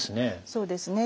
そうですね。